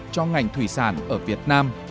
cho ngành thủy sản ở việt nam